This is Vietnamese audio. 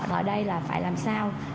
đó đây là phải làm sao